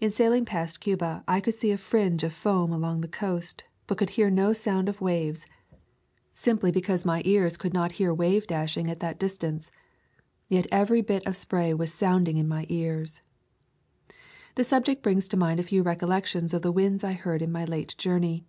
In sailing past Cuba I could see a fringe of foam along the coast, but could hear no sound of waves, simply because [373°] A Thousand Mile Walh my ears could not hear wave dashing at that distance. Yet every bit of spray was sounding in my ears. The subject brings to mind a few recollec tions of the winds I heard in my late journey.